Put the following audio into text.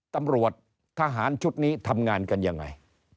ตำรวจทหารชุดนี้ทำงานกันยังไง